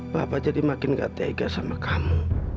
bapak jadi makin gak tega sama kamu